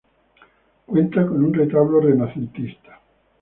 Cuenta con un retablo renacentista.